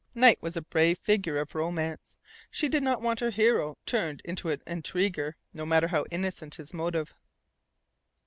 Knight was a brave figure of romance. She did not want her hero turned into an intriguer, no matter how innocent his motive.